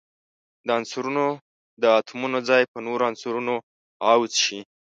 د عنصرونو د اتومونو ځای په نورو عنصرونو عوض شي.